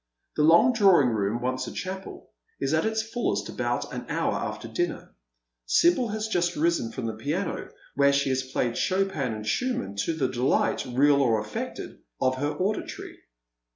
The long drawing room, once a chapel, is at its fullest about an hour after dinner. Sibyl has just risen from the piano, where ehe has played Chopin and Schumann to the delight, real or affected, of her auditoiy.